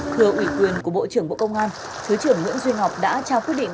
thưa ủy quyền của bộ trưởng bộ công an thứ trưởng nguyễn duy ngọc đã trao quyết định